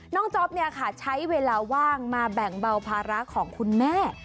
จ๊อปเนี่ยค่ะใช้เวลาว่างมาแบ่งเบาภาระของคุณแม่